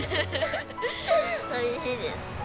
寂しいです。